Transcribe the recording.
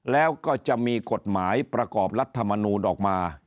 แล้วก็จะมีกฎหมายประกอบรัฐมนูลออกมา